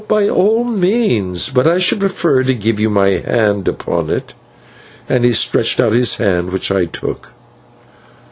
"By all means; but I should prefer to give you my hand upon it." And he stretched out his hand, which I took.